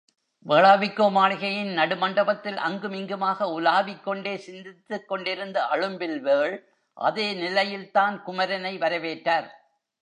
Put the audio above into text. வேளாவிக்கோ மாளிகையின் நடு மண்டபத்தில் அங்கும் இங்குமாக உலாவிக்கொண்டே சிந்தித்துக் கொண்டிருந்த அழும்பில்வேள் அதே நிலையில்தான் குமரனை வரவேற்றார்.